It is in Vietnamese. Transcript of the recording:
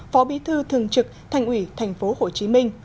phó bí thư thường trực thành ủy thành phố hồ chí minh